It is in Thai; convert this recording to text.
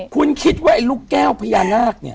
คุณคิดว่าไอ้ลูกแก้วพญานาคเนี่ย